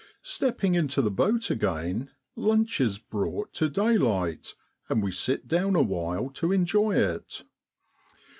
Stepping into the boat again lunch is brought to daylight, and we sit down awhile to enjoy it.